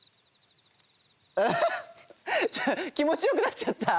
アハッ気もちよくなっちゃった。